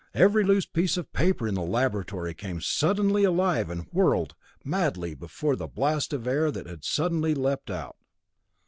Every loose piece of paper in the laboratory came suddenly alive and whirled madly before the blast of air that had suddenly leaped out.